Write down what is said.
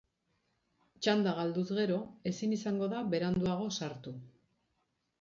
Txanda galduz gero, ezin izango da beranduago sartu.